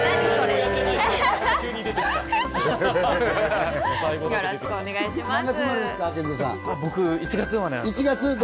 よろしくお願いします。